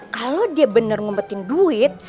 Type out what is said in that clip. kalo dia bener ngumpetin duit